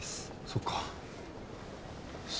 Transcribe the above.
そっか。